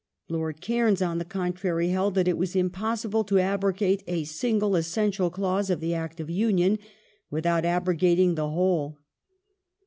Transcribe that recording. Lord Cairns, on the contrary, held that it was impossible to abrogate a single essential clause of the Act of Union without abrogating the whole.